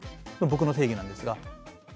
僕の定義なんですが。